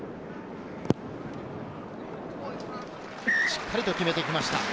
しっかり決めてきました。